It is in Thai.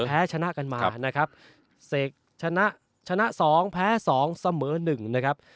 แพ้ชนะกันมานะครับเสกชนะชนะ๒แพ้๒เสมอ๑นะครับ